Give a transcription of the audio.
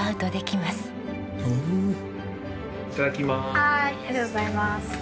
ありがとうございます。